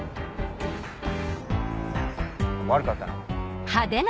悪かったな。